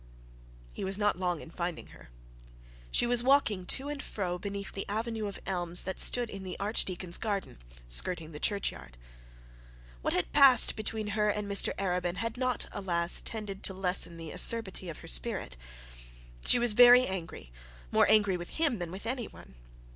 He was not long in finding her. She was walking to and fro beneath the avenue of elms that stood in the archdeacon's grounds, skirting the churchyard. What had passed between her and Mr Arabin, had not, alas, tended to lessen the acerbity of her spirit. She was very angry; more angry with him than with any one.